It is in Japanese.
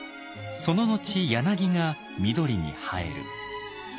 その後柳が緑に映える。